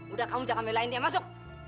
udah kamu jangan belain dia masuk